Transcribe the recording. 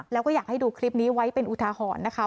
แล้วก็อยากให้ดูคลิปนี้ไว้เป็นอุทาหรณ์นะคะ